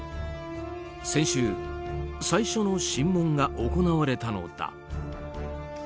先週、最初の審問が行われたのだ。